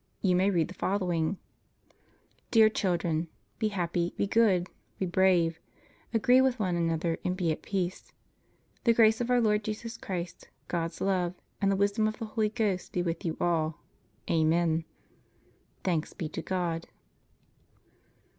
You may read the following: Dear children: Be happy, be good, be brave; agree with one another, and be at peace. The grace of Our Lord Jesus Christ, God's love, and the wisdom of the Holy Ghost be with you all. Amen. Thanks be to God.